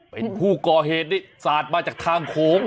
เป็นผู้ก่อเหตุนี่สาดมาจากทางโค้ง